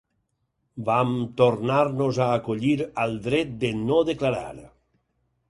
Vam tornar-nos a acollir al dret de no declarar.